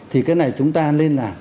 thì cái này chúng ta nên là